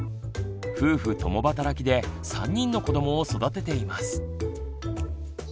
夫婦共働きで３人の子どもを育てています。